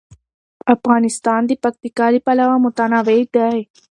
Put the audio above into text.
افغانستان د پکتیکا له پلوه متنوع دی.